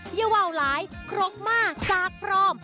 เยาวาวหลายครบมากจากพร้อม